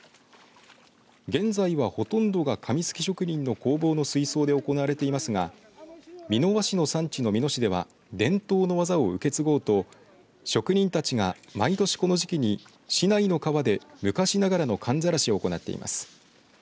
現在は、ほとんどが紙すき職人の工房の水槽で行われていますが美濃和紙の産地の美濃市では伝統の技を受け継ごうと職人たちが毎年この時期に市内の川で昔ながらの寒ざらしを行っています。